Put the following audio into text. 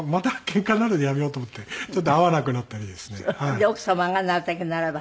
で奥様がなるたけならば。